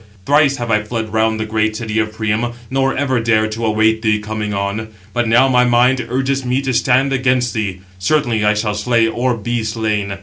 Thrice have I fled round the great city of Priam, nor ever dared to await thee coming on; but now my mind urges me to stand against thee: certainly I shall slay, or be slain.